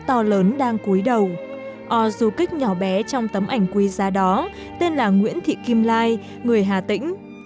ô dù kích nhỏ bé trong tấm ảnh quy ra đó tên là nguyễn thị kim lai người hà tĩnh